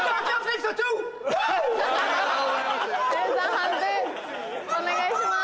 判定お願いします。